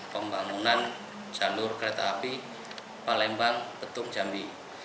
pembangunan jalur kereta api palembang petung jambi